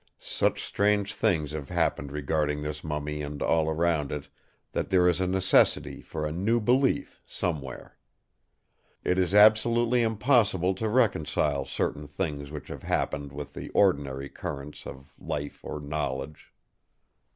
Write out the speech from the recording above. Such strange things have happened regarding this mummy and all around it, that there is a necessity for new belief somewhere. It is absolutely impossible to reconcile certain things which have happened with the ordinary currents of life or knowledge.